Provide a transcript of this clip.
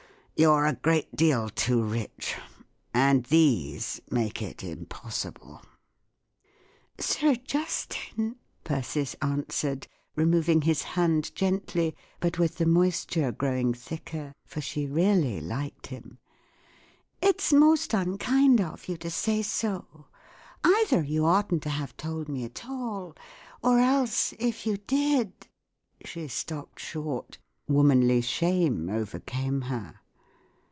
You Ye a great deal too rich, and these make it impos¬ sible." "Sir Justin," Persis answered, removing his hand gently, but with the moisture growing thicker, for she really liked him, " it's most unkind of you to say so; either you oughtn't to have told me at all, or else—if you did " She stopped short Womanly shame overcame her.